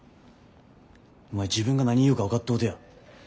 お前自分が何言うか分かっとうとや。